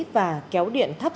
và kéo điện thấp